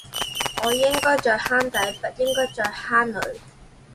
我應該在坑底，不應該在坑裡